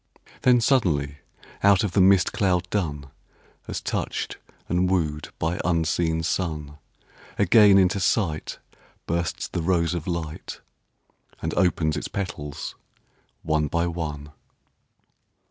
Then suddenly out of the mist cloud dun, As touched and wooed by unseen sun, Again into sight bursts the rose of light And opens its petals one by one.